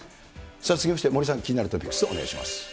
続きまして、森さん、気になるトピックス、お願いします。